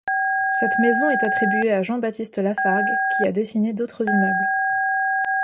Cette maison est attribuée à Jean Baptiste Lafargue qui a dessiné d'autres immeubles.